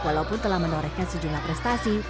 walaupun telah menorehkan sejumlah prestasi